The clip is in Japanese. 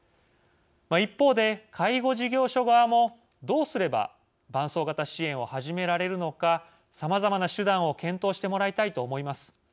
一方で、介護事業所側もどうすれば伴走型支援を始められるのかさまざまな手段を検討してもらいたいと思います。